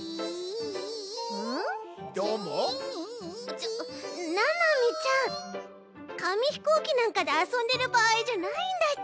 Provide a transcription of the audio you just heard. ちょななみちゃんかみひこうきなんかであそんでるばあいじゃないんだち。